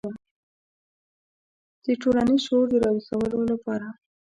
د ټولنیز شعور د راویښولو لپاره.